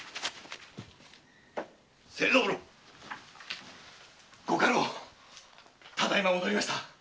清三郎ご家老ただ今戻りました。